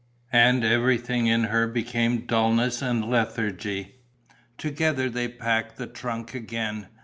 And everything in her became dulness and lethargy. Together they packed the trunk again.